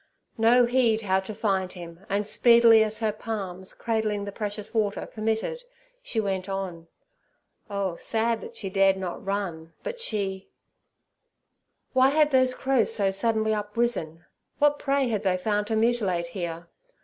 No heed how to find Him, and speedily as her palms, cradling the precious water, permitted, she went on. Oh, sad that she dared not run, but she— Why had those crows so suddenly uprisen? What prey had they found to mutilate here?